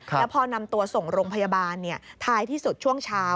แล้วพอนำตัวส่งโรงพยาบาลท้ายที่สุดช่วงเช้า